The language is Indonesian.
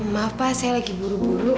maaf pak saya lagi buru buru